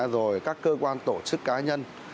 rồi các cơ quan tổ chức cá nhân